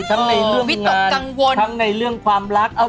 ทั้งในเรื่องงานทำในเรื่องความรักวิตรกังวล